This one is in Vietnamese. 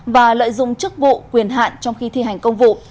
và lợi dụng chức vụ quyền hạn trong khi thi hành công vụ